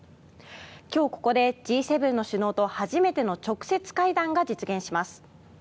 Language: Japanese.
今日ここでＧ７の首脳と初めての直接会談が実現します。